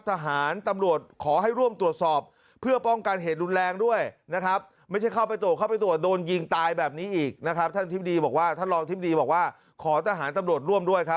ทหารตำรวจขอให้ร่วมตรวจสอบเพื่อป้องกันเหตุร